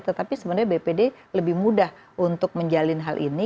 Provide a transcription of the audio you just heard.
tetapi sebenarnya bpd lebih mudah untuk menjalin hal ini